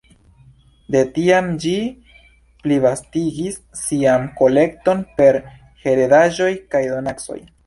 De tiam ĝi plivastigis sian kolekton per heredaĵoj kaj donacoj.